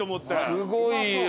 すごいよ。